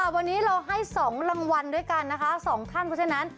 วันนี้เราให้๒รางวัลด้วยกันนะคะ๒ท่านเพราะฉะนั้น